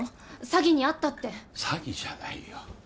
詐欺に遭ったって詐欺じゃないよ